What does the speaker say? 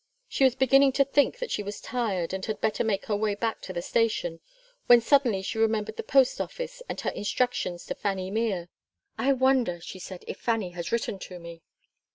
She was beginning to think that she was tired and had better make her way back to the station, when suddenly she remembered the post office and her instructions to Fanny Mere. "I wonder," she said, "if Fanny has written to me."